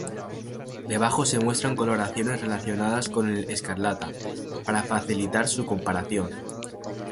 Debajo se muestran coloraciones relacionadas con el escarlata, para facilitar su comparación.